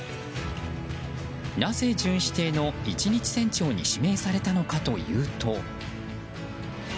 なぜ巡視艇の１日船長に指名されたのかというと。